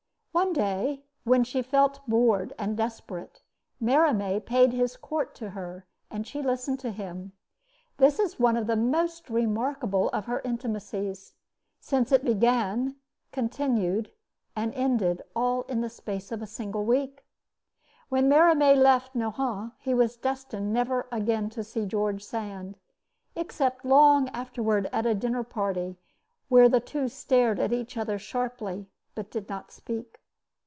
One day, when she felt bored and desperate, Merimee paid his court to her, and she listened to him. This is one of the most remarkable of her intimacies, since it began, continued, and ended all in the space of a single week. When Merimee left Nohant, he was destined never again to see George Sand, except long afterward at a dinner party, where the two stared at each other sharply, but did not speak.